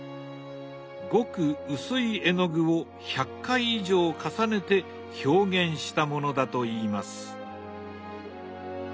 ごく薄い絵の具を１００回以上重ねて表現したものだといいます。